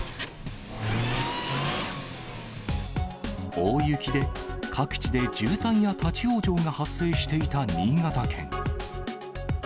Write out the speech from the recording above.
大雪で、各地で渋滞や立往生が発生していた新潟県。